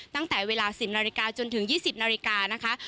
ตั้งแต่เวลา๑๐นาฬิกาจนถึง๒๐นาฬิกานะคะ